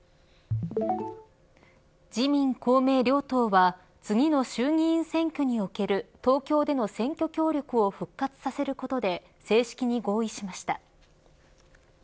自民・公明両党は次の衆議院選挙における東京での選挙協力を復活させることで正式に合意しました。